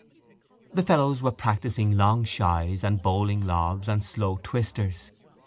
The fellows were practising long shies and bowling lobs and slow twisters.